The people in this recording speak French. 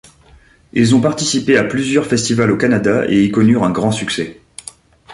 Ils ont participé à plusieurs festivals au Canada et y connurent un grand succès.